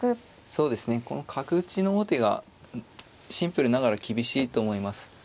そうですねこの角打ちの王手がシンプルながら厳しいと思います。